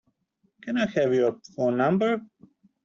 Can I have your phone number?